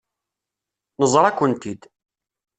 Neẓra-kent-id.